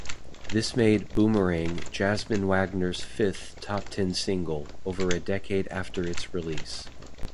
This made "Boomerang" Jasmin Wagner's fifth top-ten single, over a decade after its release.